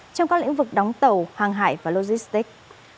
trong các lĩnh vực đóng tàu hàng hải và logistics